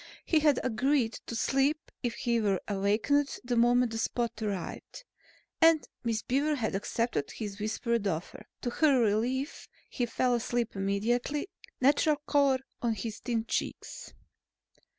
He had agreed to sleep if he were awakened the moment Spot arrived, and Miss Beaver had accepted his whispered offer. To her relief, he fell asleep immediately, natural color on his thin cheeks.